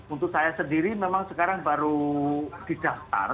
untuk saya sendiri memang sekarang baru didaftar